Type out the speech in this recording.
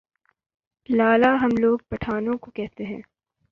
لالہ ہم لوگ پٹھانوں کو کہتے ہیں ۔